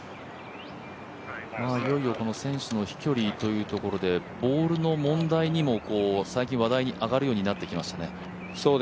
いよいよ選手の飛距離というところでボールの問題にも最近話題に上がるようになってきましたね。